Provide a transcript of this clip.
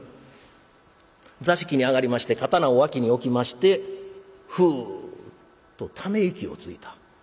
座敷に上がりまして刀を脇に置きましてふうっとため息をついた。